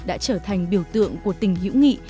đã trở thành biểu tượng của tình hữu nghị